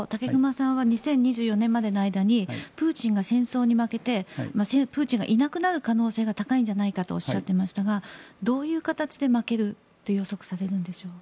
先ほど２０２４年までの間にプーチンが戦争に負けてプーチンがいなくなる可能性が高いんじゃないかとおっしゃってましたがどういう形で負けると予測されるんでしょう？